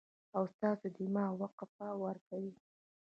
او ستاسو دماغ ته وقفه ورکوي